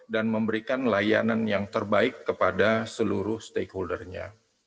dan memberikan layanan yang terbaik kepada seluruh stakeholder nya